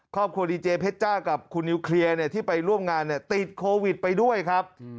ครอบครัวดีเจเพชรจ้ากับคุณนิวเคลียร์ที่ไปร่วมงานติดโควิดไปด้วยครับ